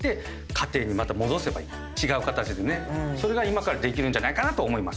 それが今からできるんじゃないかなと思います。